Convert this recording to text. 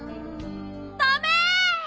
ダメ！